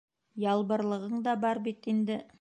Ялбырлығың да бар бит инде.